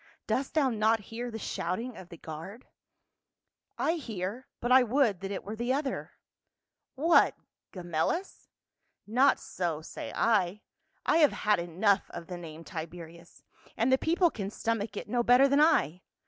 Dost thou not hear the shouting of the guard?" " I hear ; but I would that it were the other." "What Gemellus? Not so, say I. I have had enough of the name Tiberius, and the people can stomach it no better than I.